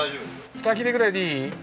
２切れぐらいでいい？